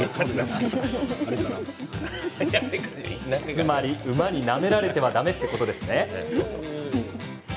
つまり、馬になめられてはだめってことですね。